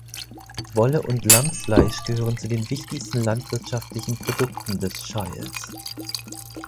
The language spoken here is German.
Wolle und Lammfleisch gehören zu den wichtigsten landwirtschaftlichen Produkten des Shires.